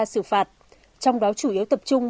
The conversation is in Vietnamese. sử phạt trong đó chủ yếu tập trung